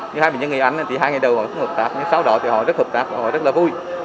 như hai bệnh nhân người anh thì hai ngày đầu họ cũng hợp tạp nhưng sao đó thì họ rất hợp tạp và họ rất là vui